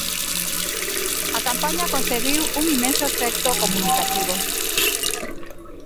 A campaña conseguiu un inmenso efecto comunicativo.